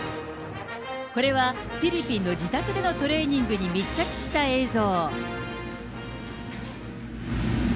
これは、フィリピンの自宅でのトレーニングに密着した映像。